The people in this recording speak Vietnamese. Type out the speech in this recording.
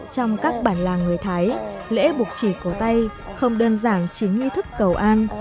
trong các bản làng người thái lễ buộc chỉ cổ tay không đơn giản chính như thức cầu an